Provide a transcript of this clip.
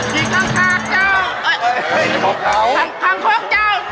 สีข้างท้ายจ้าว